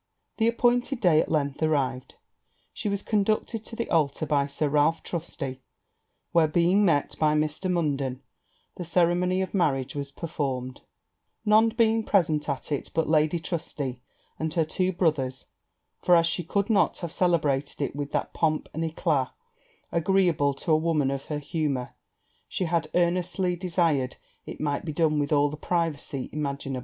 The appointed day at length arrived she was conducted to the altar by Sir Ralph Trusty; where, being met by Mr. Munden, the ceremony of marriage was performed, none being present at it but Lady Trusty and her two brothers; for as she could not have celebrated it with that pomp and eclat agreeable to a woman of her humour, she had earnestly desired it might be done with all the privacy imaginable.